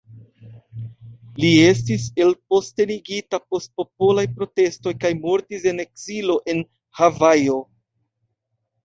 Li estis elpostenigita post popolaj protestoj kaj mortis en ekzilo en Havajo.